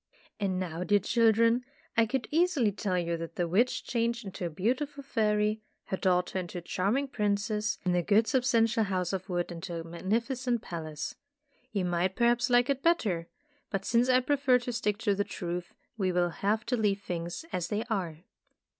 And now, dear children, I could easily tell you that the witch changed into a beautiful fairy, her daughter into a charm ing princess and the good substantial Tales of Modern Germany 15^ house of wood into a magnificent palace. You might perhaps like it better, but since I prefer to stick to the truth, we will have to leave things as they are.